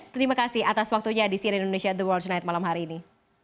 terima kasih atas waktunya di siri indonesia the world tonight malam hari ini